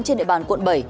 trên địa bàn quận bảy